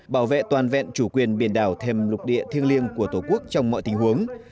bảo vệ toàn vẹn chủ quyền biển đảo thêm lục địa thiêng liêng của tổ quốc trong mọi tình huống